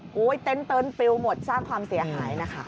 โอ้โหเต็นต์ปิวหมดสร้างความเสียหายนะคะ